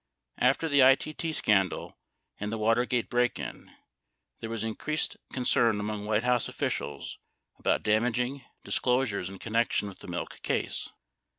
After the ITT scandal and the Watergate break in, there was in creased concern among White House officials about damaging dis closures in connection with the milk case.